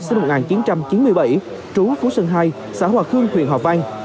sinh năm một nghìn chín trăm chín mươi bảy trú phú sơn hai xã hòa khương huyện hòa vang